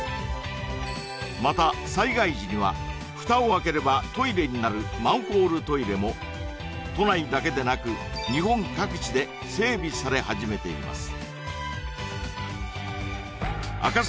また災害時には蓋を開ければトイレになる都内だけでなく日本各地で整備され始めています